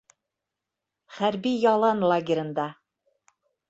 Хәрби-ялан лагерында